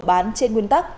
đảm bảo các chợ truyền thống